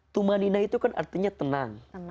tumma nina itu kan artinya tenang